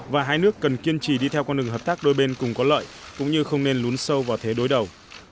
và hai nước cần kiên trì đi theo con đường hợp tác đôi bên cùng có lợi cũng như không nên lún sâu vào thế đối đầu